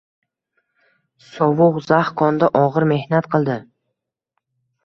Sovuq, zax konda og`ir mehnat qildi